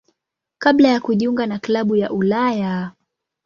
kabla ya kujiunga na klabu ya Ulaya.